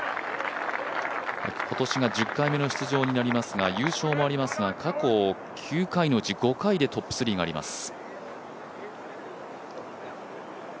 今年が１０回目の出場になり、優勝もありますが過去９回のうち５回でトップ３があります。